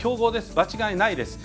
間違いないです。